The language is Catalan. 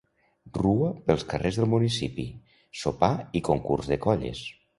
Rua pels carrers del municipi, sopar i concurs de colles.